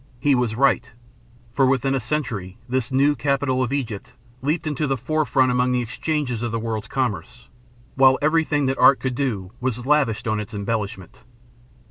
He was right; for within a century this new capital of Egypt leaped to the forefront among the exchanges of the world's commerce, while everything that art could do was lavished on its embellishment.